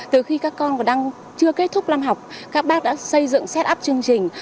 từ khi các con còn đang chưa kết thúc làm học các bác đã xây dựng set up chương trình